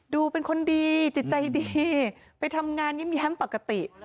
เป็นคนดีจิตใจดีไปทำงานยิ้มแฮ้มปกติ